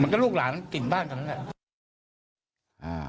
ก็ลูกหลานกลิ่นบ้านกันนั่นแหละ